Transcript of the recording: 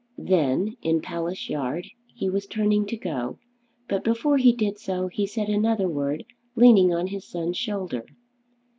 Then in Palace Yard he was turning to go, but before he did so, he said another word leaning on his son's shoulder.